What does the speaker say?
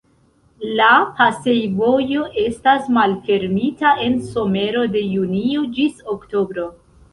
La pasejvojo estas malfermita en somero de junio ĝis oktobro.